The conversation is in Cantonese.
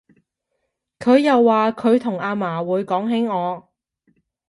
佢又話佢同阿嫲會講起我